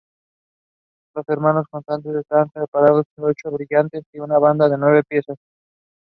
Los hermanos cantantes están respaldados por ocho bailarines y una banda de nueve piezas.